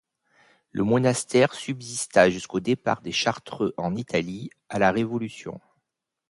Le monastère subsista jusqu'au départ des Chartreux en Italie, à la révolution.